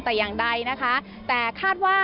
แต่อย่างใดนะคะแต่คาดว่า